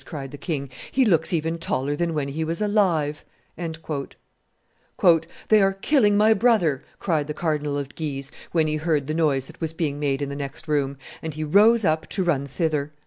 cried the king; "he looks even taller than when he was alive." [Illustration: Henry III. and the Murder of Guise 437] "They are killing my brother!" cried the Cardinal of Guise, when he heard the noise that was being made in the next room; and he rose up to run thither.